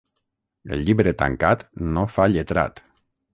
El llibre tancat no fa lletrat.